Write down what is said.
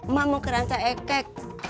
ma mau ke ranca ekek